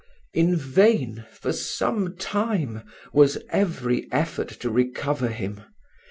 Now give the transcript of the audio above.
In vain, for some time, was every effort to recover him.